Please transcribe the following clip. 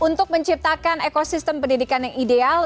untuk menciptakan ekosistem pendidikan yang ideal